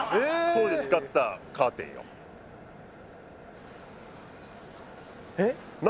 当時使ってたカーテンよえっ？